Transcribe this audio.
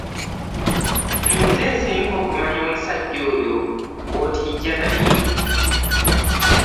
Nze nsinga okumanya omusajja oyo gw'otijja naye.